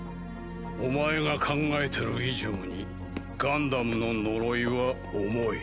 お前が考えてる以上にガンダムの呪いは重い。